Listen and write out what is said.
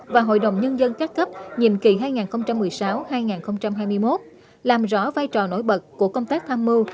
và hội đồng nhân dân các cấp nhiệm kỳ hai nghìn một mươi sáu hai nghìn hai mươi một làm rõ vai trò nổi bật của công tác tham mưu